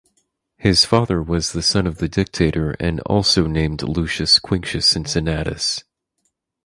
His father was the son of the dictator and also named Lucius Quinctius Cincinnatus.